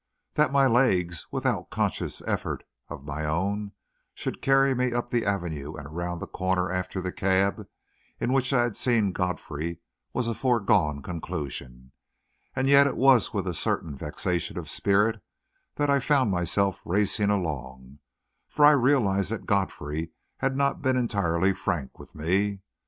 That my legs, without conscious effort of my own, should carry me up the Avenue and around the corner after the cab in which I had seen Godfrey was a foregone conclusion, and yet it was with a certain vexation of spirit that I found myself racing along, for I realised that Godfrey had not been entirely frank with me.